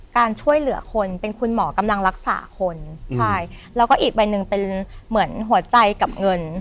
การช่วยเหลือคนเป็นคุณหมอกำลังรักษาคนใช่แล้วก็อีกใบหนึ่งเป็นเหมือนหัวใจกับเงิน